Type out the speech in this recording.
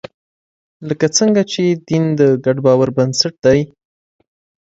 لکه څنګه چې دین د ګډ باور بنسټ دی.